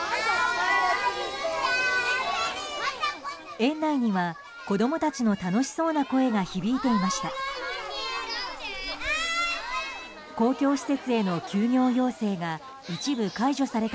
園内には、子供たちの楽しそうな声が響いていました。